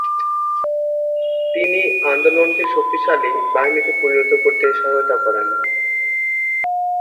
তিনি আন্দোলনকে শক্তিশালী বাহিনীতে পরিণত করতে সহায়তা করেন।